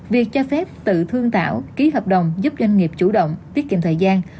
việc cho phép tự thương tạo ký hợp đồng giúp doanh nghiệp chủ động tiết kiệm thời gian